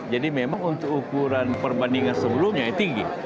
jadi memang untuk ukuran perbandingan sebelumnya tinggi